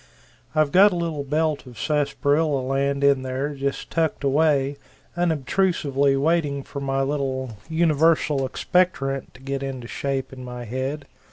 I've got a little belt of sassparilla land in there just tucked away unobstrusively waiting for my little Universal Expectorant to get into shape in my head.